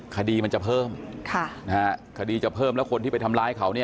คดีมันจะเพิ่มคดีจะเพิ่มแล้วคนที่ไปทำร้ายเขาเนี่ย